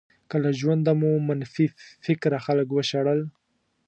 که له ژونده مو منفي فکره خلک وشړل.